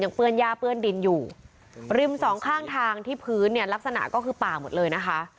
เปื้อนย่าเปื้อนดินอยู่ริมสองข้างทางที่พื้นเนี่ยลักษณะก็คือป่าหมดเลยนะคะ